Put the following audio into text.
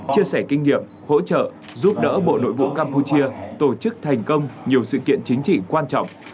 chia sẻ kinh nghiệm hỗ trợ giúp đỡ bộ nội vụ campuchia tổ chức thành công nhiều sự kiện chính trị quan trọng